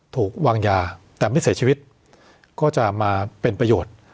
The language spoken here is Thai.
ถูกวางยาแต่ไม่เสียชีวิตก็จะมาเป็นประโยชน์